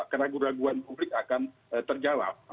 keraguan publik akan terjawab